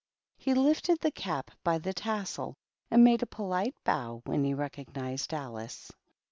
He lifted his cap by the tassel and made a polite bow when he recognized Alice.